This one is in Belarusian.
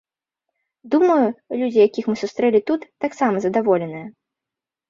Думаю, людзі, якіх мы сустрэлі тут, таксама задаволеныя.